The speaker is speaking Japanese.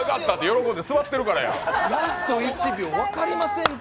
ラスト１秒分かりませんて。